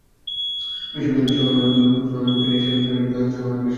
বিশ্বের অন্য অঞ্চলগুলোর তুলনায় দক্ষিণ এশিয়ায় বাইরের বায়ুদূষণের হার অনেক বেশি।